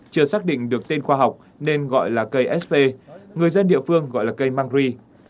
chưa xác định được tên khoa học nên gọi là cây sp người dân địa phương gọi là cây mangri